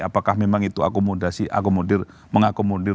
apakah memang itu mengakomodir